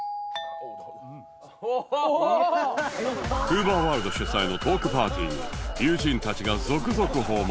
ＵＶＥＲｗｏｒｌｄ 主催のトークパーティーに友人たちが続々訪問